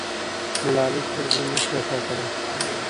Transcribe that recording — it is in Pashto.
ملالۍ خپل ژوند نه سوای ساتلی.